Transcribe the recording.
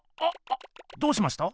どうしました？